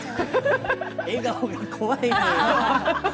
笑顔が怖いのよ。